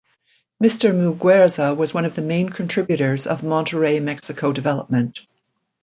Mr. Muguerza was one of the main contributors of Monterrey, Mexico development.